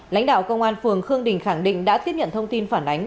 lãnh đạo công an phường khương đình khẳng định đã tiếp nhận thông tin phản ánh